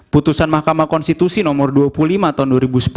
putusan mahkamah konstitusi nomor dua puluh lima tahun dua ribu sepuluh